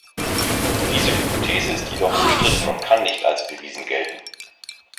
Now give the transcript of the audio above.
Diese Hypothese ist jedoch umstritten und kann nicht als bewiesen gelten.